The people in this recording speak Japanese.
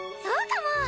そうかも！